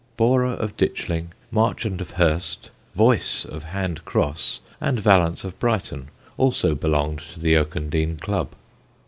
Borrer of Ditchling, Marchant of Hurst, Voice of Hand Cross, and Vallance of Brighton, also belonged to the Oakendene club.